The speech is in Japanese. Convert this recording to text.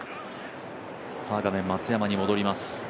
画面、松山に戻ります。